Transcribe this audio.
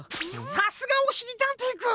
さすがおしりたんていくん！